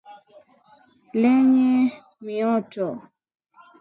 Lenye mioto.